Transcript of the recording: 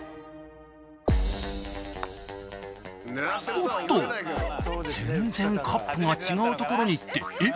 おっと全然カップと違う所に行ってえっ